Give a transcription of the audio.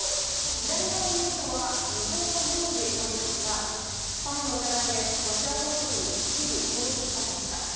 左側にいるのは日本の領事なんですがスパイの疑いでロシア当局に一時拘束されました。